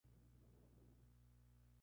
Jenkins Jr.